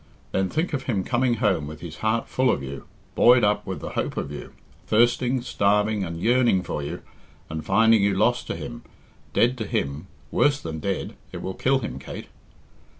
Then think of him coming home with his heart full of you, buoyed up with the hope of you, thirsting, starving, and yearning for you, and finding you lost to him, dead to him, worse than dead it will kill him, Kate."